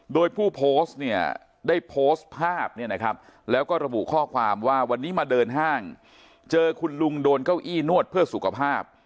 โดยผู้โพสต์เนี่ยได้โพสต์ภาพเนี่ยนะครับแล้วก็ระบุข้อความว่าวันนี้มาเดินห้างเจอคุณลุงโดนเก้าอี้นวดเพื่อสุขภาพ